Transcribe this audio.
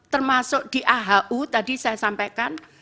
termasuk di ahu tadi saya sampaikan